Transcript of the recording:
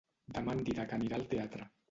Demà en Dídac anirà al teatre.